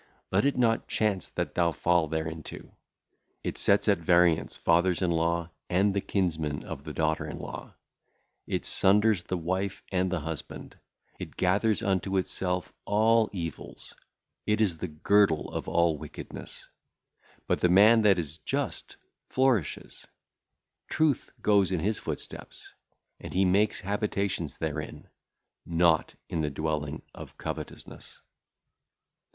Let it not chance that thou fall thereinto. It setteth at variance fathers in law and the kinsmen of the daughter in law; it sundereth the wife and the husband. It gathereth unto itself all evils; it is the girdle of all wickedness. But the man that is just flourisheth; truth goeth in his footsteps, and he maketh habitations therein, not in the dwelling of covetousness.